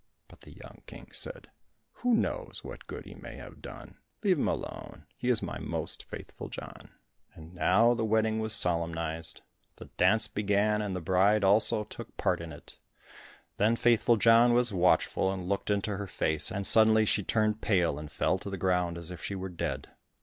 But the young King said, "Who knows what good he may have done, leave him alone, he is my most faithful John." And now the wedding was solemnized: the dance began, and the bride also took part in it; then Faithful John was watchful and looked into her face, and suddenly she turned pale and fell to the ground, as if she were dead.